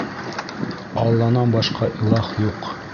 — Алланан башҡа илаһ юҡ!